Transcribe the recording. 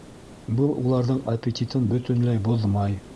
Был уларҙың аппетитын бөтөнләй боҙмай.